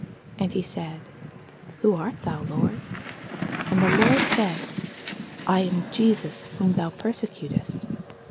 And he said, Who art thou, Lord? And the Lord said, I am Jesus whom thou persecutest.